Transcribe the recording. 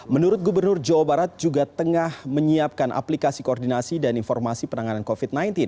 menurut gubernur jawa barat juga tengah menyiapkan aplikasi koordinasi dan informasi penanganan covid sembilan belas